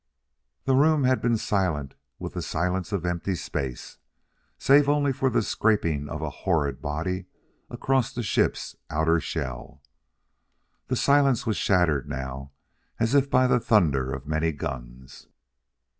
The room had been silent with the silence of empty space, save only for the scraping of a horrid body across the ship's outer shell. The silence was shattered now as if by the thunder of many guns.